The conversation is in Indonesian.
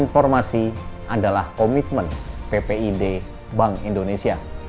informasi adalah komitmen ppid bank indonesia